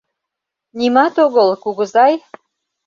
Нимат огыл, кугызай!